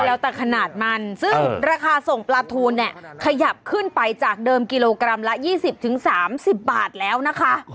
แล้วแต่ขนาดมันซึ่งราคาส่งปลาทูนเนี่ยขยับขึ้นไปจากเดิมกิโลกรัมละ๒๐๓๐บาทแล้วนะคะ